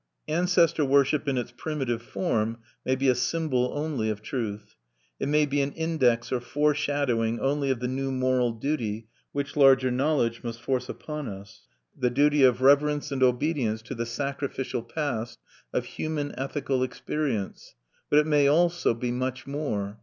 Ancestor worship in its primitive form may be a symbol only of truth. It may be an index or foreshadowing only of the new moral duty which larger knowledge must force upon as the duty of reverence and obedience to the sacrificial past of human ethical experience. But it may also be much more.